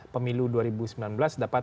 pemilu dua ribu sembilan belas dapat